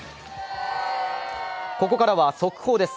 ここからは速報です。